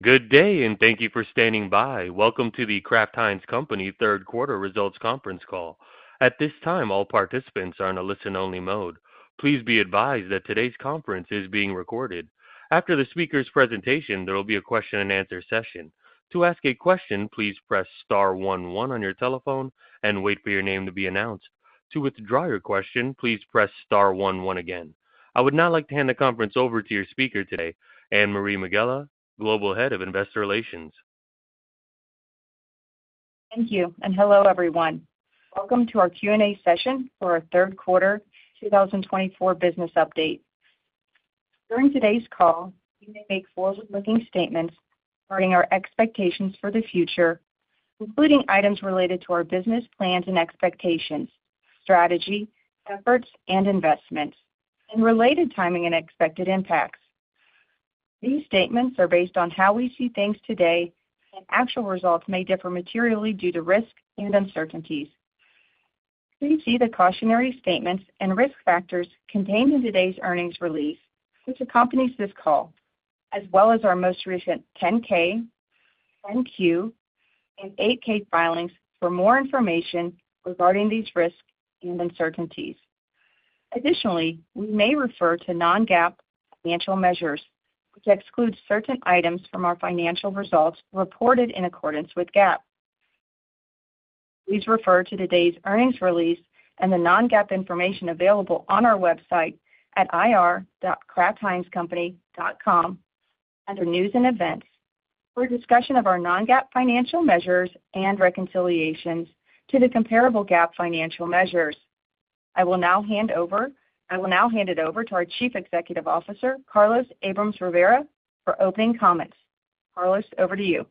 Good day, and thank you for standing by. Welcome to The Kraft Heinz Company third quarter results conference call. At this time, all participants are in a listen-only mode. Please be advised that today's conference is being recorded. After the speaker's presentation, there will be a question-and-answer session. To ask a question, please press star one-one on your telephone and wait for your name to be announced. To withdraw your question, please press star one-one again. I would now like to hand the conference over to your speaker today, Anne-Marie Megela, Global Head of Investor Relations. Thank you, and hello everyone. Welcome to our Q&A session for our third quarter 2024 business update. During today's call, we may make forward-looking statements regarding our expectations for the future, including items related to our business plans and expectations, strategy, efforts, and investments, and related timing and expected impacts. These statements are based on how we see things today, and actual results may differ materially due to risks and uncertainties. Please see the cautionary statements and risk factors contained in today's earnings release, which accompanies this call, as well as our most recent 10-K, 10-Q, and 8-K filings for more information regarding these risks and uncertainties. Additionally, we may refer to non-GAAP financial measures, which exclude certain items from our financial results reported in accordance with GAAP. Please refer to today's earnings release and the non-GAAP information available on our website at ir.kraftheinzcompany.com under News and Events for discussion of our non-GAAP financial measures and reconciliations to the comparable GAAP financial measures. I will now hand it over to our Chief Executive Officer, Carlos Abrams-Rivera, for opening comments. Carlos, over to you.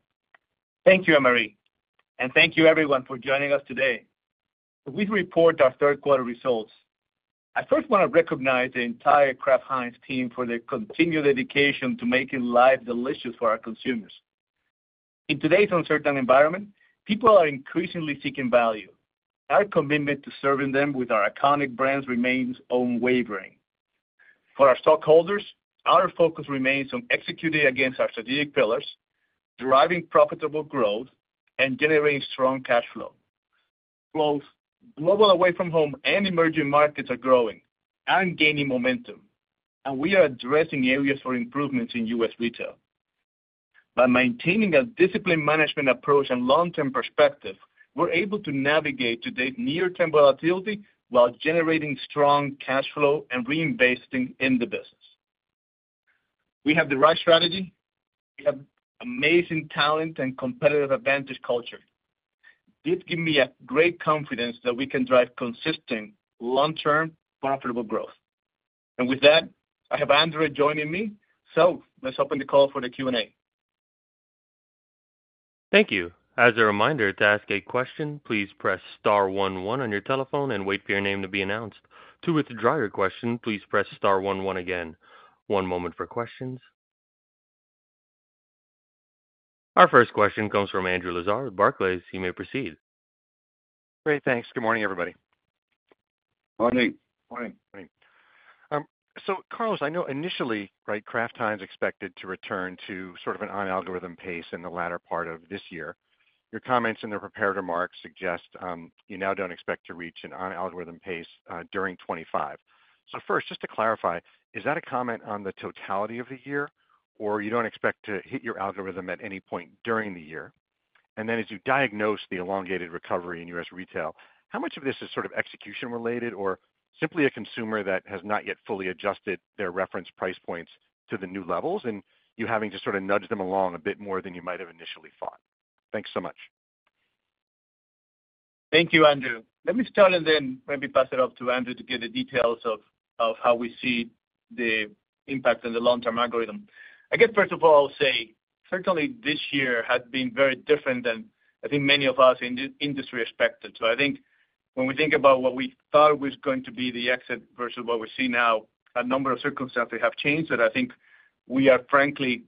Thank you, Anne-Marie, and thank you everyone for joining us today. We report our third quarter results. I first want to recognize the entire Kraft Heinz team for their continued dedication to making life delicious for our consumers. In today's uncertain environment, people are increasingly seeking value. Our commitment to serving them with our iconic brands remains unwavering. For our stockholders, our focus remains on executing against our strategic pillars, driving profitable growth, and generating strong cash flow. Global Away From home and Emerging Markets are growing and gaining momentum, and we are addressing areas for improvements in U.S. retail. By maintaining a disciplined management approach and long-term perspective, we're able to navigate today's near-term volatility while generating strong cash flow and reinvesting in the business. We have the right strategy. We have amazing talent and competitive advantage culture. This gives me great confidence that we can drive consistent, long-term, profitable growth. With that, I have Andre joining me, so let's open the call for the Q&A. Thank you. As a reminder, to ask a question, please press star one-one on your telephone and wait for your name to be announced. To withdraw your question, please press star one-one again. One moment for questions. Our first question comes from Andrew Lazar with Barclays. He may proceed. Great. Thanks. Good morning, everybody. Morning. Morning. Morning. So Carlos, I know initially, right, Kraft Heinz expected to return to sort of an on-algorithm pace in the latter part of this year. Your comments in the prepared remarks suggest you now don't expect to reach an on-algorithm pace during 2025. So first, just to clarify, is that a comment on the totality of the year, or you don't expect to hit your algorithm at any point during the year? And then as you diagnose the elongated recovery in U.S. retail, how much of this is sort of execution-related or simply a consumer that has not yet fully adjusted their reference price points to the new levels and you having to sort of nudge them along a bit more than you might have initially thought? Thanks so much. Thank you, Andrew. Let me start and then maybe pass it off to Andre to get the details of how we see the impact on the long-term algorithm. I guess, first of all, I'll say certainly this year has been very different than I think many of us in the industry expected. So I think when we think about what we thought was going to be the exit versus what we see now, a number of circumstances have changed, but I think we are frankly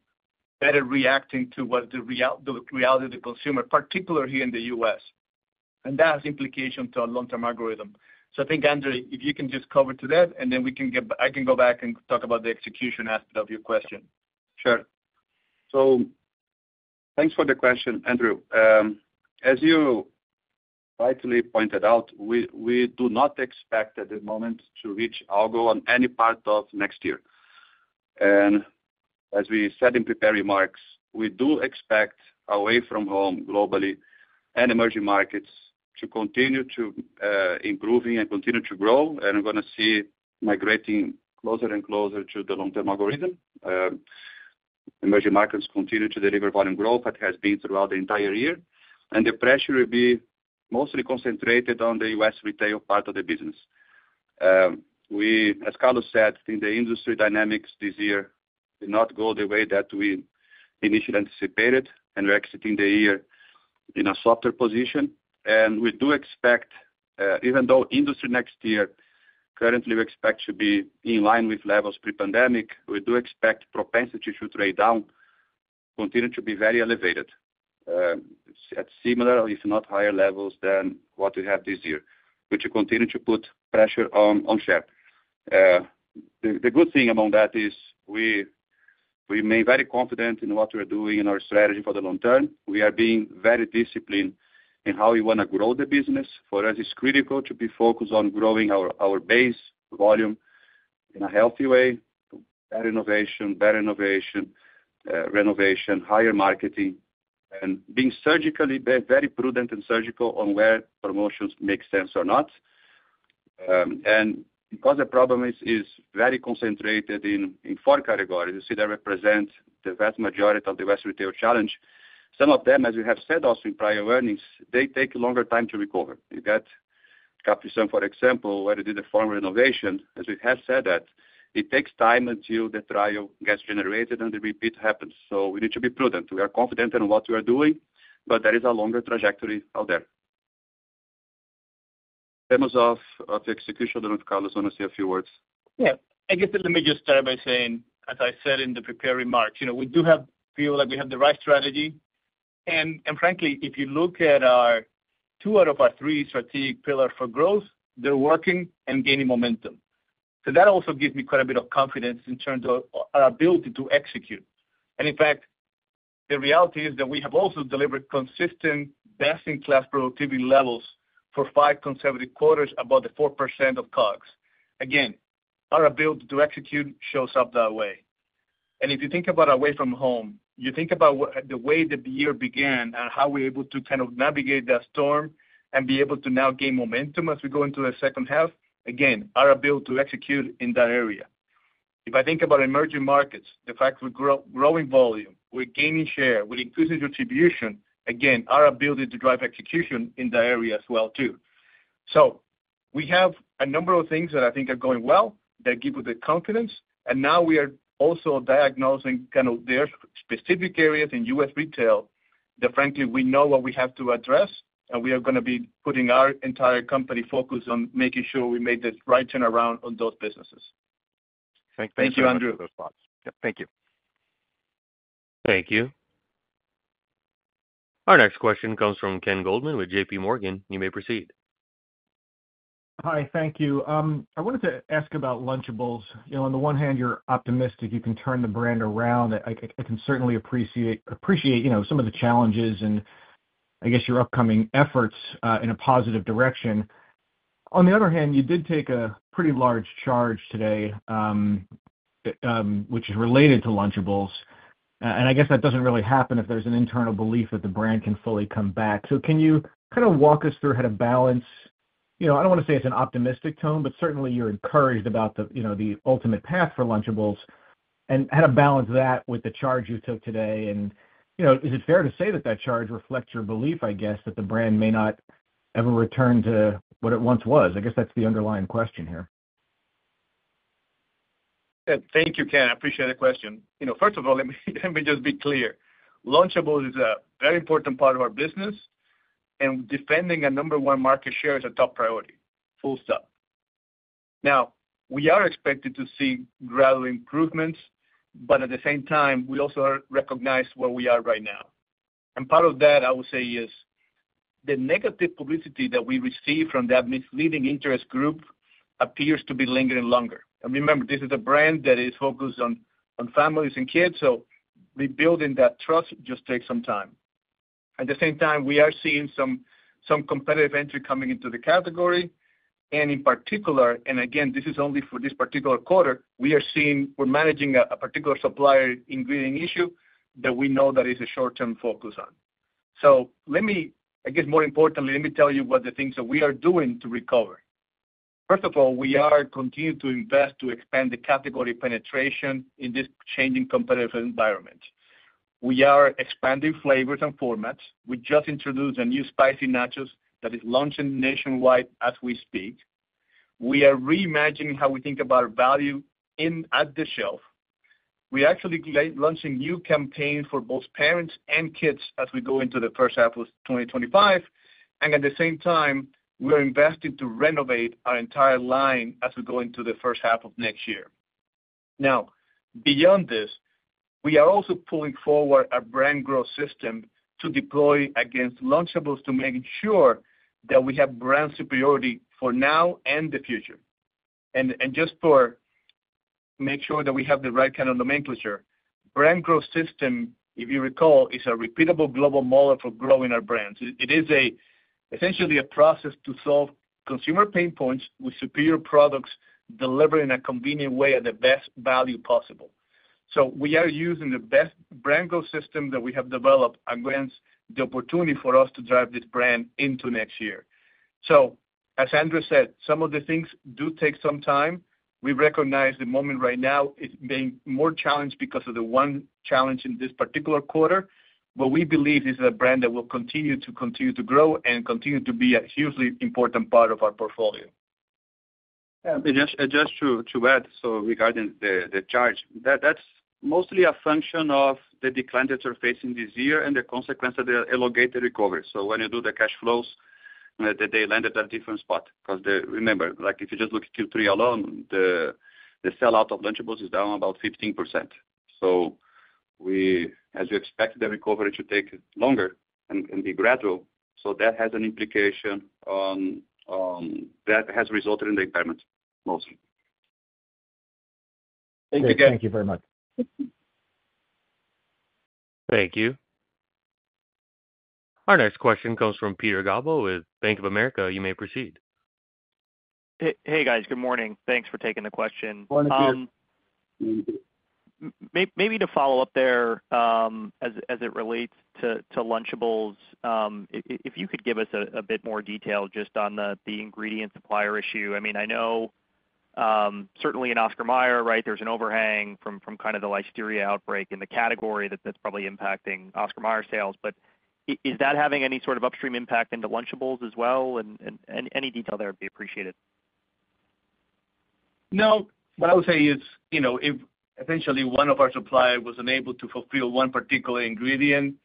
better reacting to what the reality of the consumer, particularly here in the U.S., and that has implications on long-term algorithm. So I think, Andre, if you can just cover that, and then we can get back, I can go back and talk about the execution aspect of your question. Sure. So thanks for the question, Andrew. As you rightly pointed out, we do not expect at the moment to reach algo on any part of next year. And as we said in prepared remarks, we do expect away from home globally and Emerging Markets to continue to improve and continue to grow. And we're going to see migrating closer and closer to the long-term algorithm. Emerging Markets continue to deliver value growth that has been throughout the entire year. And the pressure will be mostly concentrated on the U.S. retail part of the business. We, as Carlos said, I think the industry dynamics this year did not go the way that we initially anticipated, and we're exiting the year in a softer position. We do expect, even though industry next year currently we expect to be in line with levels pre-pandemic, we do expect propensity to trade down continue to be very elevated at similar, if not higher levels than what we have this year, which will continue to put pressure on share. The good thing among that is we remain very confident in what we're doing and our strategy for the long term. We are being very disciplined in how we want to grow the business. For us, it's critical to be focused on growing our base volume in a healthy way, better innovation, better innovation, renovation, higher marketing, and being surgically very prudent and surgical on where promotions make sense or not. Because the problem is very concentrated in four categories that represent the vast majority of the U.S. Retail challenge, some of them, as we have said also in prior earnings, they take longer time to recover. You get Capri Sun, for example, where they did the firm renovation. As we have said that, it takes time until the trial gets generated and the repeat happens. So we need to be prudent. We are confident in what we are doing, but there is a longer trajectory out there. In terms of execution, Carlos want to say a few words. Yeah. I guess let me just start by saying, as I said in the prepared remarks, we do feel like we have the right strategy, and frankly, if you look at our two out of our three strategic pillars for growth, they're working and gaining momentum, so that also gives me quite a bit of confidence in terms of our ability to execute, and in fact, the reality is that we have also delivered consistent best-in-class productivity levels for five consecutive quarters, about the 4% of COGS. Again, our ability to execute shows up that way, and if you think about away from home, you think about the way that the year began and how we're able to kind of navigate that storm and be able to now gain momentum as we go into the second half, again, our ability to execute in that area. If I think about Emerging Markets, the fact we're growing volume, we're gaining share, we're increasing distribution, again, our ability to drive execution in that area as well too. So we have a number of things that I think are going well that give us the confidence, and now we are also diagnosing kind of their specific areas in U.S. retail that frankly, we know what we have to address, and we are going to be putting our entire company focus on making sure we make the right turnaround on those businesses. Thank you, Andrew. Thank you, Andrew. Thank you. Thank you. Our next question comes from Ken Goldman with JPMorgan. You may proceed. Hi, thank you. I wanted to ask about Lunchables. On the one hand, you're optimistic you can turn the brand around. I can certainly appreciate some of the challenges and I guess your upcoming efforts in a positive direction. On the other hand, you did take a pretty large charge today, which is related to Lunchables. And I guess that doesn't really happen if there's an internal belief that the brand can fully come back. So can you kind of walk us through how to balance? I don't want to say it's an optimistic tone, but certainly you're encouraged about the ultimate path for Lunchables. And how to balance that with the charge you took today? And is it fair to say that that charge reflects your belief, I guess, that the brand may not ever return to what it once was? I guess that's the underlying question here. Thank you, Ken. I appreciate the question. First of all, let me just be clear. Lunchables is a very important part of our business, and defending a number one market share is a top priority. Full stop. Now, we are expected to see gradual improvements, but at the same time, we also recognize where we are right now. And part of that, I would say, is the negative publicity that we receive from that misleading interest group appears to be lingering longer. And remember, this is a brand that is focused on families and kids, so rebuilding that trust just takes some time. At the same time, we are seeing some competitive entry coming into the category. And in particular, and again, this is only for this particular quarter, we are seeing we're managing a particular supplier ingredient issue that we know that is a short-term focus on. So let me, I guess, more importantly, let me tell you what the things that we are doing to recover. First of all, we are continuing to invest to expand the category penetration in this changing competitive environment. We are expanding flavors and formats. We just introduced a new spicy nachos that is launching nationwide as we speak. We are reimagining how we think about value at the shelf. We're actually launching new campaigns for both parents and kids as we go into the first half of 2025. And at the same time, we're investing to renovate our entire line as we go into the first half of next year. Now, beyond this, we are also pulling forward our brand growth system to deploy against Lunchables to make sure that we have brand superiority for now and the future. Just to make sure that we have the right kind of nomenclature, Brand Growth System, if you recall, is a repeatable global model for growing our brands. It is essentially a process to solve consumer pain points with superior products delivered in a convenient way at the best value possible. So we are using the best Brand Growth System that we have developed against the opportunity for us to drive this brand into next year. So as Andrew said, some of the things do take some time. We recognize the moment right now is being more challenged because of the one challenge in this particular quarter, but we believe this is a brand that will continue to grow and continue to be a hugely important part of our portfolio. And just to add, so regarding the charge, that's mostly a function of the decline in inventory in this year and the consequence of the elongated recovery. So when you do the cash flows, they land at a different spot. Because remember, if you just look at Q3 alone, the sell-out of Lunchables is down about 15%. So we expect the recovery to take longer and be gradual. So that has an implication on that has resulted in the impairment mostly. Thank you again. Thank you very much. Thank you. Our next question comes from Peter Galbo with Bank of America. You may proceed. Hey, guys. Good morning. Thanks for taking the question. Morning, Steve. Maybe to follow up there as it relates to Lunchables, if you could give us a bit more detail just on the ingredient supplier issue. I mean, I know certainly in Oscar Mayer, right, there's an overhang from kind of the Listeria outbreak in the category that's probably impacting Oscar Mayer sales. But is that having any sort of upstream impact into Lunchables as well? Any detail there would be appreciated. No. What I would say is if essentially one of our suppliers was unable to fulfill one particular ingredient,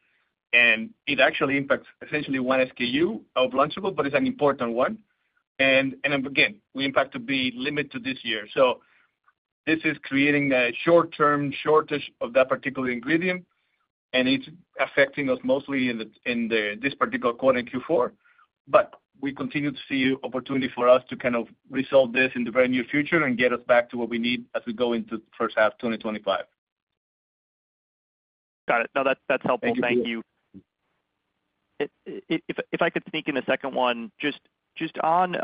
and it actually impacts essentially one SKU of Lunchables, but it's an important one, and again, we expect the impact to be limited to this year, so this is creating a short-term shortage of that particular ingredient, and it's affecting us mostly in this particular quarter in Q4, but we continue to see opportunity for us to kind of resolve this in the very near future and get us back to what we need as we go into the first half of 2025. Got it. No, that's helpful. Thank you. If I could sneak in a second one, just on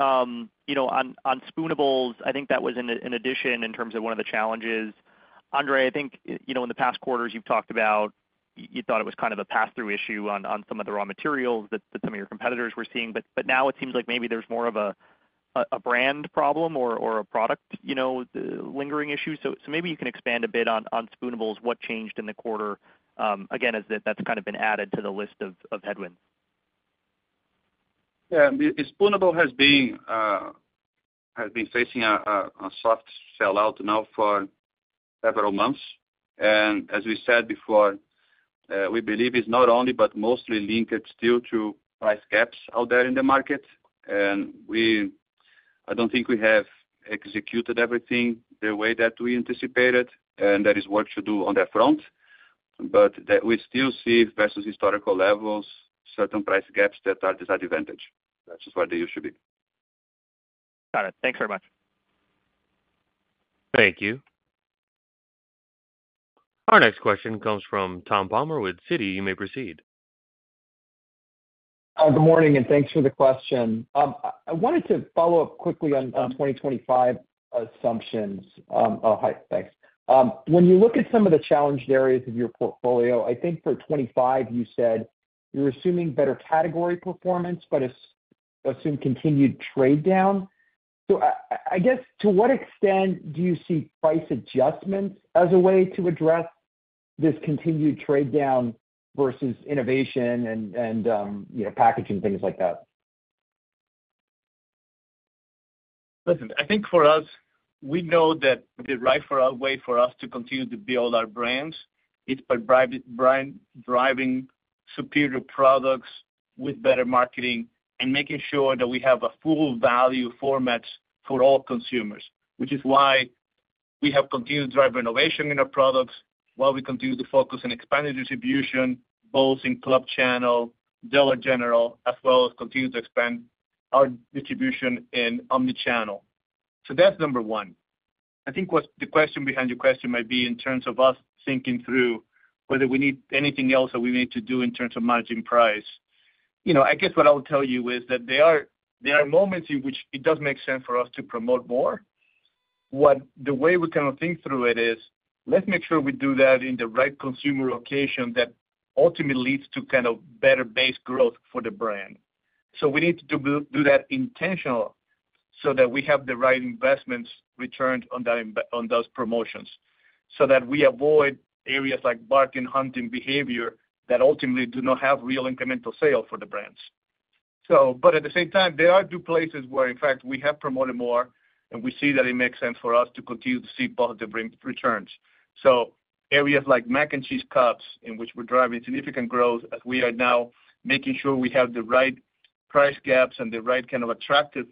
spoonables, I think that was an addition in terms of one of the challenges. Andre, I think in the past quarters you've talked about you thought it was kind of a pass-through issue on some of the raw materials that some of your competitors were seeing. But now it seems like maybe there's more of a brand problem or a product lingering issue. So maybe you can expand a bit on spoonables, what changed in the quarter, again, as that's kind of been added to the list of headwinds. Yeah. Spoonables has been facing a soft sell-out now for several months. And as we said before, we believe it's not only, but mostly linked still to price gaps out there in the market. And I don't think we have executed everything the way that we anticipated, and there is work to do on that front. But we still see versus historical levels, certain price gaps that are disadvantaged. That's just where they used to be. Got it. Thanks very much. Thank you. Our next question comes from Tom Palmer with Citi. You may proceed. Good morning, and thanks for the question. I wanted to follow up quickly on 2025 assumptions. Oh, hi. Thanks. When you look at some of the challenged areas of your portfolio, I think for '25, you said you're assuming better category performance, but assume continued trade down. So I guess to what extent do you see price adjustments as a way to address this continued trade down versus innovation and packaging, things like that? Listen, I think for us, we know that the right way for us to continue to build our brands is by driving superior products with better marketing and making sure that we have a full value format for all consumers, which is why we have continued to drive innovation in our products while we continue to focus on expanded distribution, both in club channel, Dollar General, as well as continue to expand our distribution in omnichannel. So that's number one. I think what the question behind your question might be in terms of us thinking through whether we need anything else that we need to do in terms of managing price. I guess what I'll tell you is that there are moments in which it does make sense for us to promote more. The way we kind of think through it is, let's make sure we do that in the right consumer location that ultimately leads to kind of better base growth for the brand. So we need to do that intentionally so that we have the right investment returns on those promotions so that we avoid areas like bargain hunting behavior that ultimately do not have real incremental sales for the brands. But at the same time, there are two places where, in fact, we have promoted more, and we see that it makes sense for us to continue to see positive returns. So areas like Mac and Cheese Cups, in which we're driving significant growth as we are now making sure we have the right price gaps and the right kind of attractive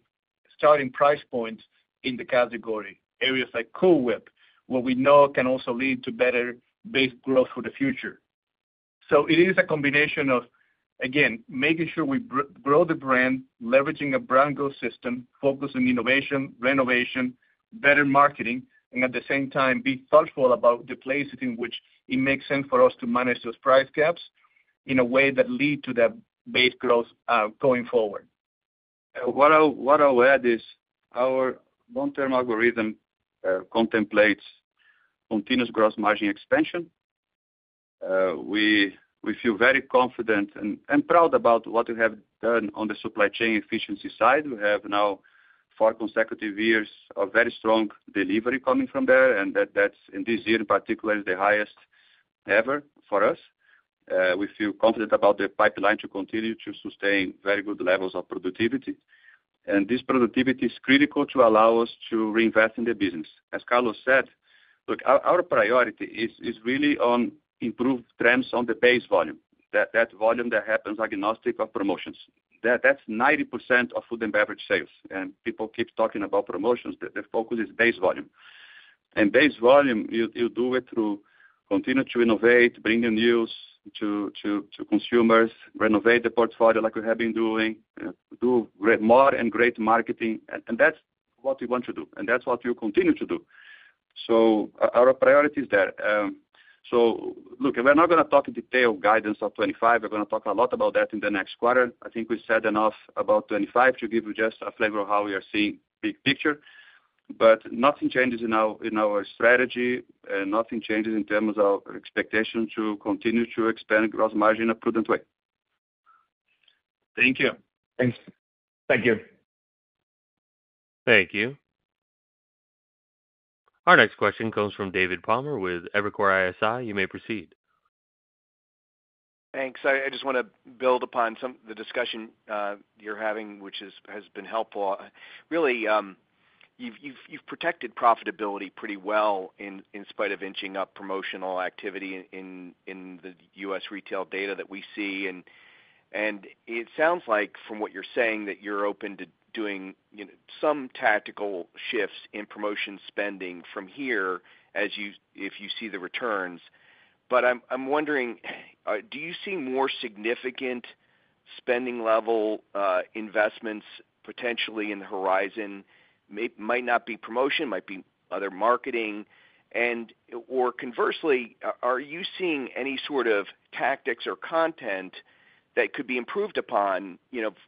starting price points in the category. Areas like Cool Whip, where we know can also lead to better base growth for the future. So it is a combination of, again, making sure we grow the brand, leveraging a brand growth system, focusing innovation, renovation, better marketing, and at the same time, be thoughtful about the places in which it makes sense for us to manage those price gaps in a way that leads to that base growth going forward. What I'll add is our long-term algorithm contemplates continuous gross margin expansion. We feel very confident and proud about what we have done on the supply chain efficiency side. We have now four consecutive years of very strong delivery coming from there, and that's in this year in particular, the highest ever for us. We feel confident about the pipeline to continue to sustain very good levels of productivity. And this productivity is critical to allow us to reinvest in the business. As Carlos said, look, our priority is really on improved trends on the base volume. That volume that happens agnostic of promotions. That's 90% of food and beverage sales. And people keep talking about promotions. The focus is base volume. And base volume, you do it through continuing to innovate, bringing news to consumers, renovate the portfolio like we have been doing, do more and great marketing. And that's what we want to do. And that's what we'll continue to do. So our priority is there. So look, we're not going to talk in detail guidance of 2025. We're going to talk a lot about that in the next quarter. I think we said enough about 2025 to give you just a flavor of how we are seeing big picture. But nothing changes in our strategy, and nothing changes in terms of expectation to continue to expand gross margin in a prudent way. Thank you. Thanks. Thank you. Thank you. Our next question comes from David Palmer with Evercore ISI. You may proceed. Thanks. I just want to build upon the discussion you're having, which has been helpful. Really, you've protected profitability pretty well in spite of inching up promotional activity in the U.S. retail data that we see. And it sounds like from what you're saying that you're open to doing some tactical shifts in promotion spending from here if you see the returns. But I'm wondering, do you see more significant spending-level investments potentially in the horizon? It might not be promotion, might be other marketing. And/or conversely, are you seeing any sort of tactics or content that could be improved upon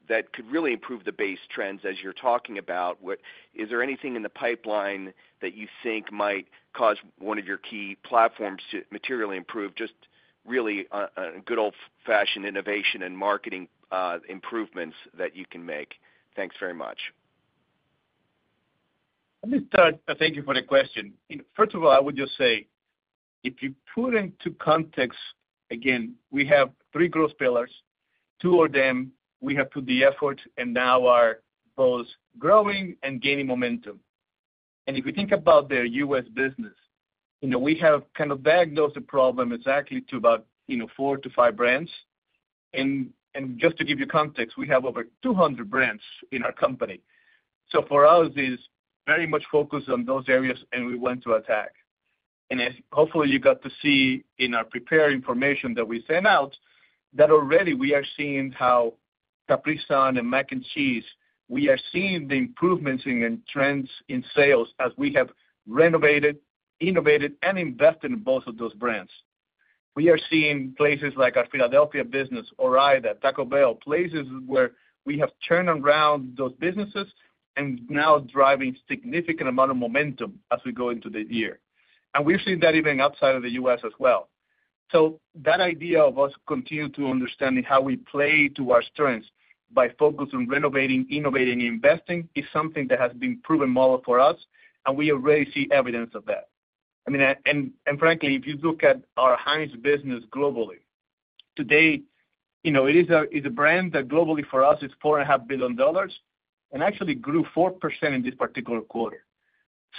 that could really improve the base trends as you're talking about? Is there anything in the pipeline that you think might cause one of your key platforms to materially improve? Just really good old-fashioned innovation and marketing improvements that you can make. Thanks very much. Let me start. Thank you for the question. First of all, I would just say, if you put into context, again, we have three growth pillars. Two of them, we have put the effort, and now are both growing and gaining momentum, and if you think about the U.S. business, we have kind of diagnosed the problem exactly to about four to five brands, and just to give you context, we have over 200 brands in our company, so for us, it's very much focused on those areas, and we went to attack, and hopefully, you got to see in our prepared information that we sent out that already we are seeing how Capri Sun and Mac and Cheese, we are seeing the improvements and trends in sales as we have renovated, innovated, and invested in both of those brands. We are seeing places like our Philadelphia business, Ore-Ida, Taco Bell, places where we have turned around those businesses and now driving significant amount of momentum as we go into the year, and we've seen that even outside of the U.S. as well. That idea of us continuing to understand how we play to our strengths by focusing on renovating, innovating, and investing is something that has been proven model for us, and we already see evidence of that. I mean, and frankly, if you look at our Heinz business globally, today, it is a brand that globally for us is $4.5 billion and actually grew 4% in this particular quarter.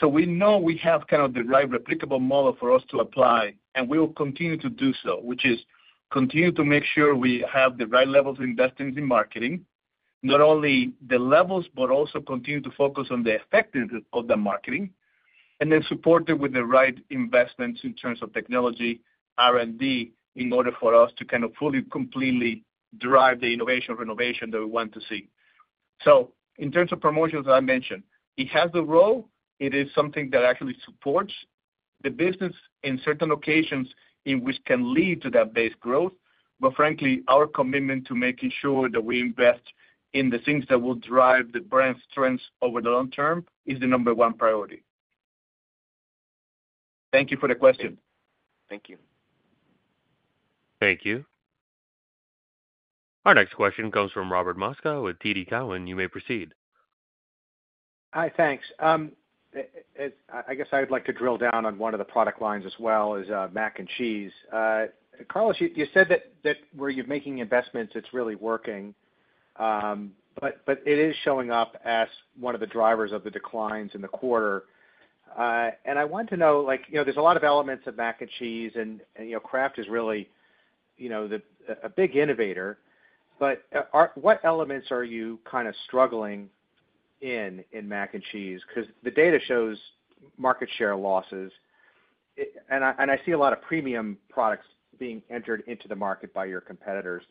So we know we have kind of the right replicable model for us to apply, and we will continue to do so, which is continue to make sure we have the right levels of investments in marketing, not only the levels, but also continue to focus on the effectiveness of the marketing, and then support it with the right investments in terms of technology, R&D, in order for us to kind of fully, completely drive the innovation renovation that we want to see. So in terms of promotions that I mentioned, it has the role. It is something that actually supports the business in certain occasions in which can lead to that base growth. But frankly, our commitment to making sure that we invest in the things that will drive the brand strengths over the long term is the number one priority. Thank you for the question. Thank you. Thank you. Our next question comes from Robert Moskow with TD Cowen. You may proceed. Hi, thanks. I guess I would like to drill down on one of the product lines as well as Mac and Cheese. Carlos, you said that where you're making investments, it's really working, but it is showing up as one of the drivers of the declines in the quarter, and I want to know, there's a lot of elements of Mac and Cheese, and Kraft is really a big innovator, but what elements are you kind of struggling in Mac and Cheese? Because the data shows market share losses, and I see a lot of premium products being entered into the market by your competitors.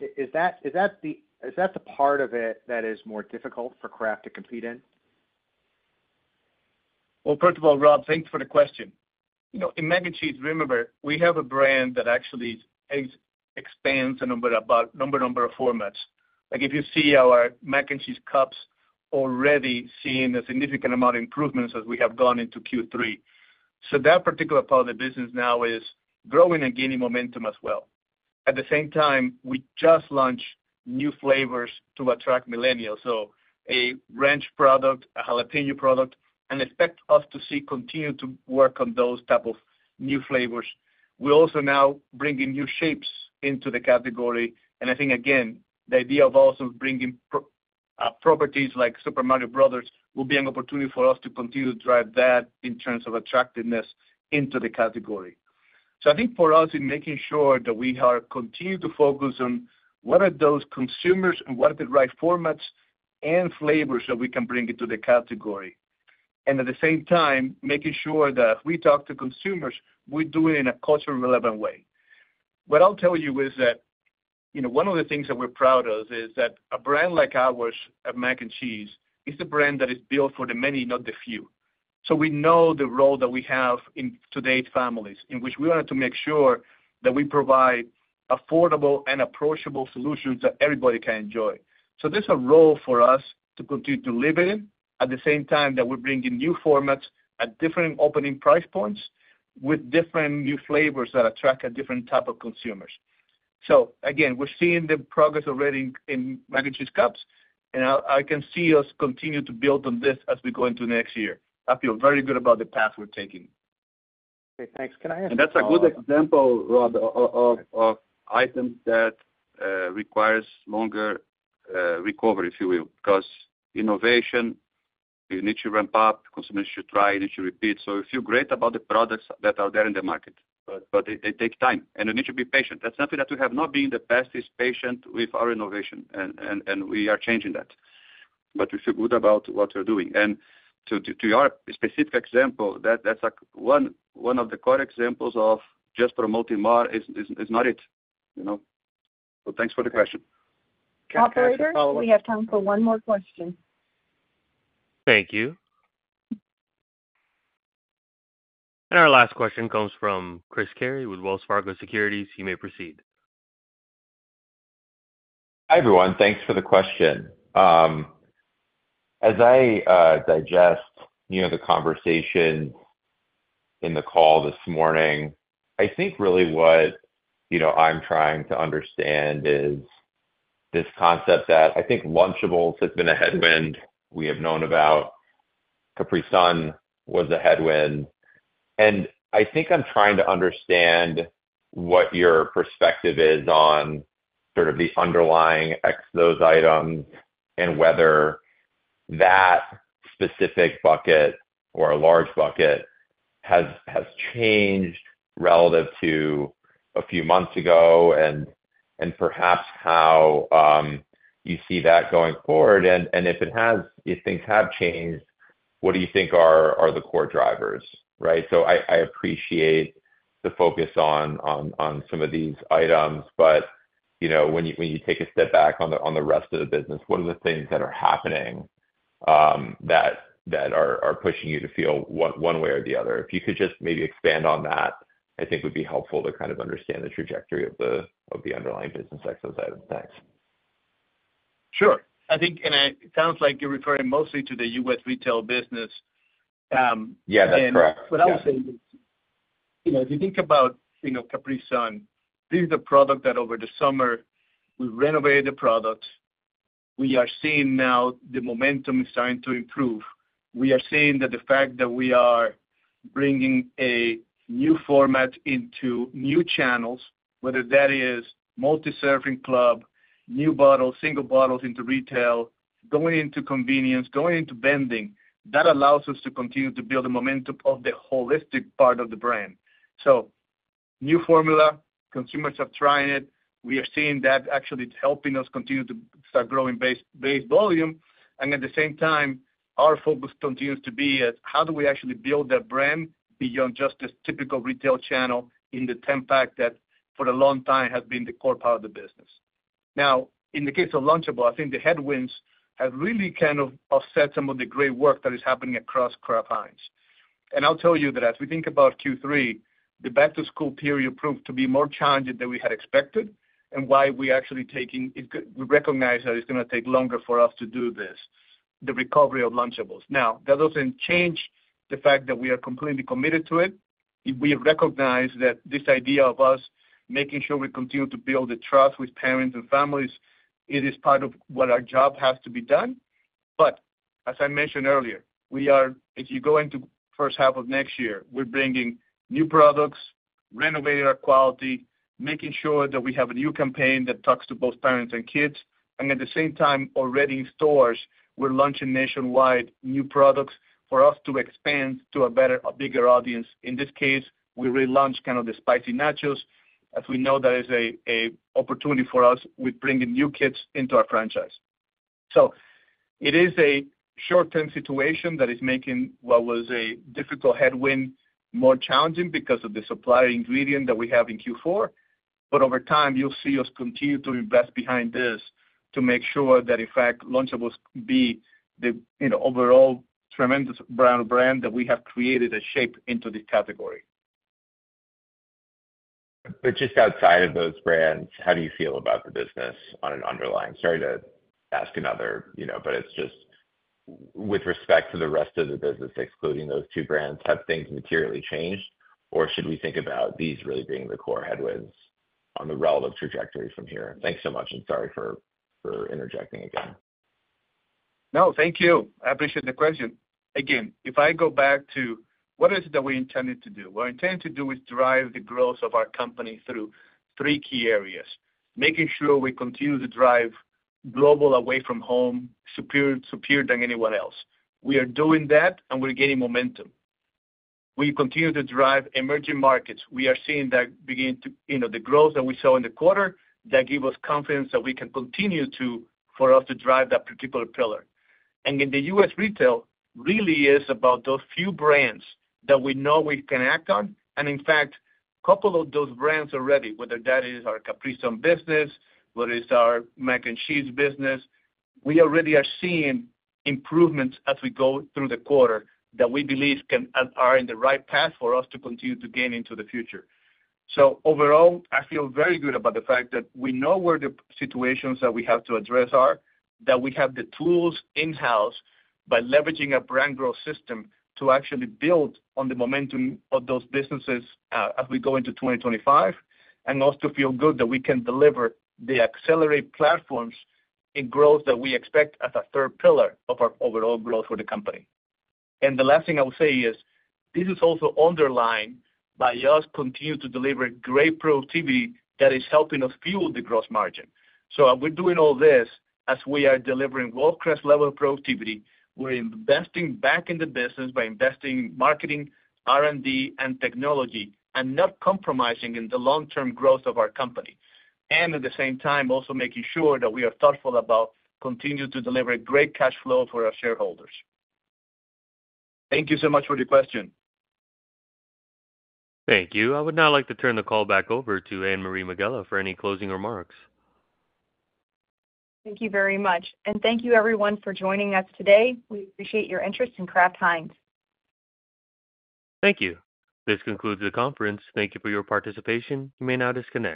Is that the part of it that is more difficult for Kraft to compete in? Well, first of all, Rob, thanks for the question. In Mac and Cheese, remember, we have a brand that actually expands a number of formats. If you see our Mac and Cheese Cups, already seeing a significant amount of improvements as we have gone into Q3. So that particular part of the business now is growing and gaining momentum as well. At the same time, we just launched new flavors to attract millennials. So a ranch product, a jalapeño product, and expect us to continue to work on those types of new flavors. We're also now bringing new shapes into the category. And I think, again, the idea of also bringing properties like Super Mario Bros. will be an opportunity for us to continue to drive that in terms of attractiveness into the category. So I think for us, in making sure that we continue to focus on what are those consumers and what are the right formats and flavors that we can bring into the category. And at the same time, making sure that if we talk to consumers, we're doing it in a culturally relevant way. What I'll tell you is that one of the things that we're proud of is that a brand like ours, Mac and Cheese, is a brand that is built for the many, not the few. So we know the role that we have in today's families in which we wanted to make sure that we provide affordable and approachable solutions that everybody can enjoy. So there's a role for us to continue to live in, at the same time that we're bringing new formats at different opening price points with different new flavors that attract a different type of consumers. So again, we're seeing the progress already in Mac and Cheese Cups, and I can see us continue to build on this as we go into next year. I feel very good about the path we're taking. Okay, thanks. Can I ask a question? And that's a good example, Rob, of items that require longer recovery, if you will, because innovation, you need to ramp up, consumers should try, you need to repeat. So we feel great about the products that are there in the market, but they take time, and you need to be patient. That's something that we have not been the best at being patient with our innovation, and we are changing that. But we feel good about what we're doing. And to your specific example, that's one of the core examples of just promoting more is not it. So thanks for the question. Operators, we have time for one more question. Thank you. And our last question comes from Chris Carey with Wells Fargo Securities. You may proceed. Hi everyone. Thanks for the question. As I digest the conversation in the call this morning, I think really what I'm trying to understand is this concept that I think Lunchables has been a headwind. We have known about Capri Sun was a headwind. And I think I'm trying to understand what your perspective is on sort of the underlying exposed items and whether that specific bucket or a large bucket has changed relative to a few months ago and perhaps how you see that going forward. And if things have changed, what do you think are the core drivers? Right? So I appreciate the focus on some of these items, but when you take a step back on the rest of the business, what are the things that are happening that are pushing you to feel one way or the other? If you could just maybe expand on that, I think it would be helpful to kind of understand the trajectory of the underlying business exposed items. Thanks. Sure. And it sounds like you're referring mostly to the U.S. retail business. Yeah, that's correct. What I was saying is, if you think about Capri Sun, this is a product that over the summer, we renovated the product. We are seeing now the momentum is starting to improve. We are seeing that the fact that we are bringing a new format into new channels, whether that is multi-serving club, new bottles, single bottles into retail, going into convenience, going into vending, that allows us to continue to build the momentum of the holistic part of the brand. So new formula, consumers are trying it. We are seeing that actually helping us continue to start growing base volume. And at the same time, our focus continues to be at how do we actually build that brand beyond just this typical retail channel in the 10-pack that for a long time has been the core part of the business. Now, in the case of Lunchables, I think the headwinds have really kind of offset some of the great work that is happening across Kraft Heinz. And I'll tell you that as we think about Q3, the back-to-school period proved to be more challenging than we had expected and why we actually recognize that it's going to take longer for us to do this, the recovery of Lunchables. Now, that doesn't change the fact that we are completely committed to it. We recognize that this idea of us making sure we continue to build the trust with parents and families. It is part of what our job has to be done. But as I mentioned earlier, if you go into the first half of next year, we're bringing new products, renovating our quality, making sure that we have a new campaign that talks to both parents and kids. And at the same time, already in stores, we're launching nationwide new products for us to expand to a bigger audience. In this case, we relaunched kind of the spicy nachos. As we know, that is an opportunity for us with bringing new kids into our franchise. So it is a short-term situation that is making what was a difficult headwind more challenging because of the supplier ingredient that we have in Q4. But over time, you'll see us continue to invest behind this to make sure that, in fact, Lunchables be the overall tremendous brand that we have created and shaped into this category. But just outside of those brands, how do you feel about the business on an underlying? Sorry to ask another, but it's just with respect to the rest of the business, excluding those two brands, have things materially changed? Or should we think about these really being the core headwinds on the relative trajectory from here? Thanks so much, and sorry for interjecting again. No, thank you. I appreciate the question. Again, if I go back to what is it that we intended to do? What we intended to do is drive the growth of our company through three key areas, making sure we continue to drive Global Away From home superior than anyone else. We are doing that, and we're gaining momentum. We continue to drive Emerging Markets. We are seeing that beginning to the growth that we saw in the quarter that gave us confidence that we can continue for us to drive that particular pillar. And in the U.S. retail, really it is about those few brands that we know we can act on. And in fact, a couple of those brands already, whether that is our Capri Sun business, whether it's our Mac and Cheese business, we already are seeing improvements as we go through the quarter that we believe are in the right path for us to continue to gain into the future. So overall, I feel very good about the fact that we know where the situations that we have to address are, that we have the tools in-house by leveraging a Brand Growth System to actually build on the momentum of those businesses as we go into 2025, and also feel good that we can deliver the accelerate platforms in growth that we expect as a third pillar of our overall growth for the company. And the last thing I would say is this is also underlined by us continuing to deliver great productivity that is helping us fuel the gross margin. So we're doing all this as we are delivering world-class level productivity. We're investing back in the business by investing in marketing, R&D, and technology, and not compromising in the long-term growth of our company. And at the same time, also making sure that we are thoughtful about continuing to deliver great cash flow for our shareholders. Thank you so much for the question. Thank you. I would now like to turn the call back over to Anne-Marie Megela for any closing remarks. Thank you very much. And thank you, everyone, for joining us today. We appreciate your interest in Kraft Heinz. Thank you. This concludes the conference. Thank you for your participation. You may now disconnect.